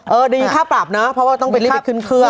เออดีค่าปรับเนอะเพราะว่าต้องไปรีบขึ้นเครื่อง